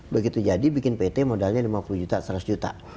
begitu jadi bikin pt modalnya lima puluh juta seratus juta